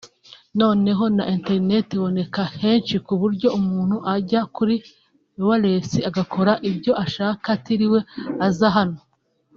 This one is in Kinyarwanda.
noneho na internet iboneka henshi ku buryo umuntu ajya kuri ‘Wireless’ agakora ibyo ashaka atiriwe aza hano